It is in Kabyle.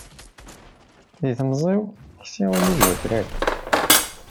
Deg temẓi-w ksiɣ ulli d wakraren